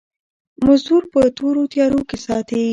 مزدور په تورو تيارو کې ساتي.